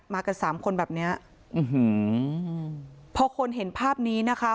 กันสามคนแบบเนี้ยอื้อหือพอคนเห็นภาพนี้นะคะ